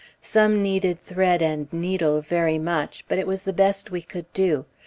Some needed thread and needle very much, but it was the best we could do.